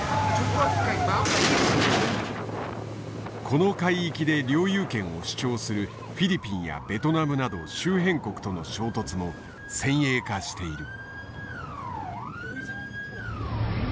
この海域で領有権を主張するフィリピンやベトナムなど周辺国との衝突も先鋭化している。